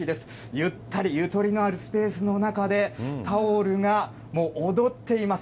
ゆったり、ゆとりのあるスペースの中で、タオルがもう踊っています。